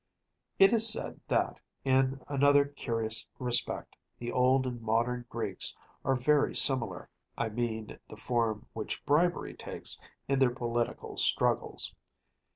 It is said that, in another curious respect, the old and modern Greeks are very similar‚ÄĒI mean the form which bribery takes in their political struggles.